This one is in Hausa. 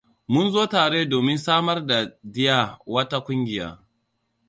Mun zo tare domin samar dea wata ƙungiya.